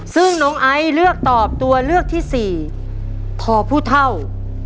ซึ่งน้องไอ้เลือกตอบตัวเลือกที่๔ทอพูท่าว